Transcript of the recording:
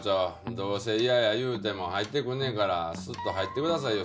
どうせ嫌や言うても入ってくんねんからスッと入ってくださいよ